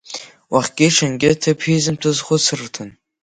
Уахгьы-ҽынгьы ҭыԥ изымҭоз хәыцырҭан.